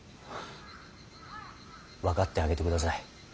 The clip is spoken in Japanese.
分かってあげてください。